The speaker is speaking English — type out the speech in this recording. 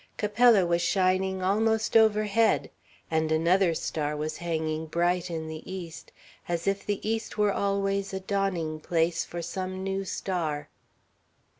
Capella was shining almost overhead and another star was hanging bright in the east, as if the east were always a dawning place for some new star.